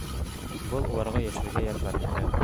Был уларға йәшәргә ярҙам итә.